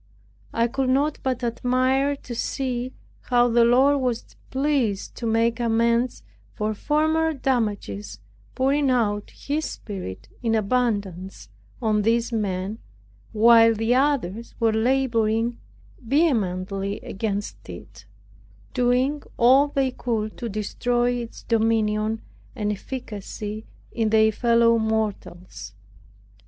I could not but admire to see how the Lord was pleased to make amends for former damages, pouring out His Spirit in abundance on these men, while the others were laboring vehemently against it, doing all they could to destroy its dominion and efficacy in their fellow mortals.